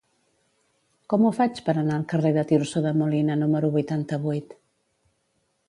Com ho faig per anar al carrer de Tirso de Molina número vuitanta-vuit?